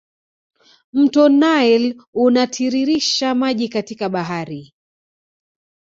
Mto nile unatiririsha maji katika bahari